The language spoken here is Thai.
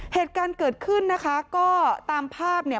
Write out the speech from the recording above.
เหตุการณ์เกิดขึ้นนะคะก็ตามภาพเนี่ย